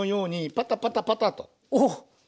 パタパタパタ。